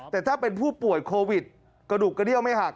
แต่ถ้าเป็นผู้ป่วยโควิดกระดูกกระเดี้ยวไม่หัก